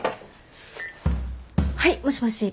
☎はいもしもし。